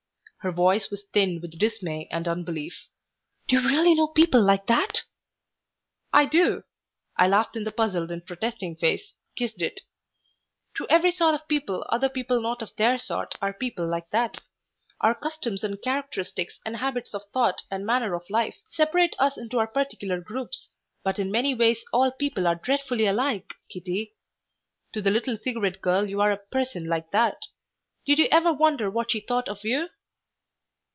Her voice was thin with dismay and unbelief. "Do you really know people like that?" "I do." I laughed in the puzzled and protesting face, kissed it. "To every sort of people other people not of their sort are 'people like that.' Our customs and characteristics and habits of thought and manner of life separate us into our particular groups, but in many ways all people are dreadfully alike, Kitty. To the little cigarette girl you're a 'person like that.' Did you ever wonder what she thought of you?"